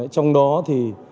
trong đó thì